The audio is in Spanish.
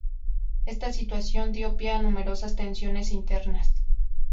Esta situación dio pie a numerosas tensiones internas.